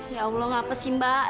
ya allah ngapain sih mbak